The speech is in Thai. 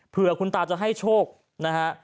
เพื่อคุณตาจะให้โชคนะฮะ